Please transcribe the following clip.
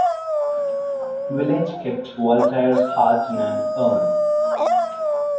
Villette kept Voltaire's heart in an urn.